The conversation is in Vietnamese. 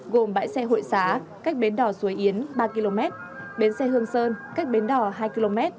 gồm bãi xe hội xá cách bến đỏ suối yến ba km bến xe hương sơn cách bến đỏ hai km